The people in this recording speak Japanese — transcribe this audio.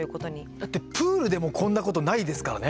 だってプールでもこんなことないですからね。